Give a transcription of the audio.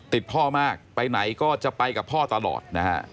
พ่อมากไปไหนก็จะไปกับพ่อตลอดนะฮะ